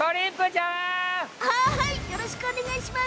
はい！